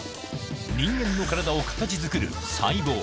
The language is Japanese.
人間の体を形作る細胞。